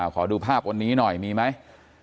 ขอดูภาพวันนี้หน่อยมีไหม